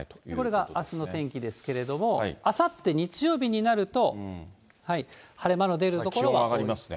これがあすの天気ですけれども、あさって日曜日になると、晴れ間の出る所はあります。